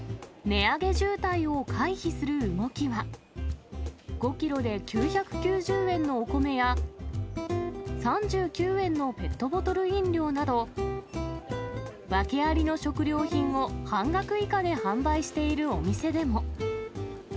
値上げ渋滞を回避する動きは、５キロで９９０円のお米や、３９円のペットボトル飲料など、訳ありの食料品を半額以下で販売しているお店でも。